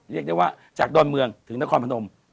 เรียกได้ว่าจากดอนเมืองถึงนครพนม